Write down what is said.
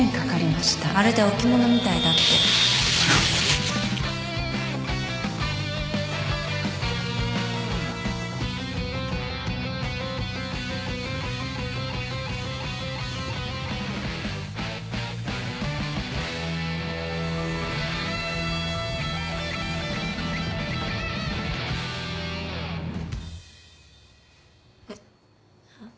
まるで置物みたいだってえっ？